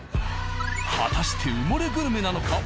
果たして埋もれグルメなのか？